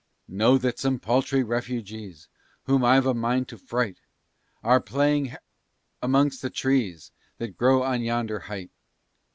"Know that some paltry refugees, Whom I've a mind to fright, Are playing h l amongst the trees That grow on yonder height.